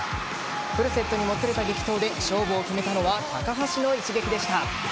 フルセットにもつれた激闘で勝負を決めたのは高橋の一撃でした。